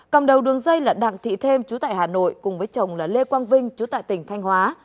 cầm đầu đường dây là đặng thị thêm chú tại hà nội cùng với chồng là lê quang vinh chú tại tỉnh thanh hóa